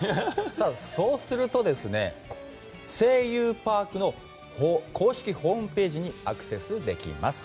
そうすると「声優パーク」の公式ホームページにアクセスできます。